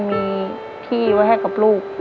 มีพี่ไว้ให้กับลูก